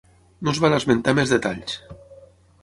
No es van esmentar més detalls.